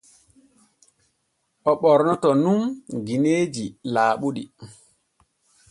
O ɓornoto nun gineeji laaɓuɗi.